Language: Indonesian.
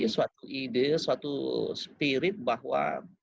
suatu ide suatu spirit bahwa